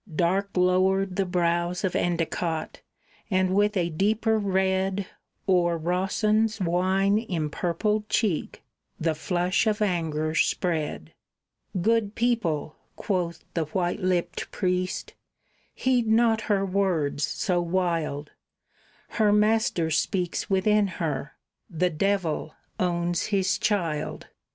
Dark lowered the brows of Endicott, and with a deeper red O'er Rawson's wine empurpled cheek the flush of anger spread; "Good people," quoth the white lipped priest, "heed not her words so wild, Her Master speaks within her, the Devil owns his child!"